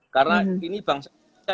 karena ini bangsa